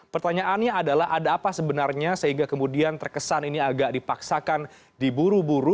pertanyaannya adalah ada apa sebenarnya sehingga kemudian terkesan ini agak dipaksakan diburu buru